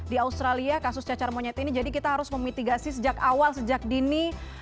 di australia kasus cacar monyet ini jadi kita harus memitigasi sejak awal sejak dini